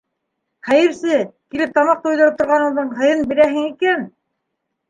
Хәйерсе, килеп, тамаҡ туйҙырып торғаныңдың һыйын бирәһең икән.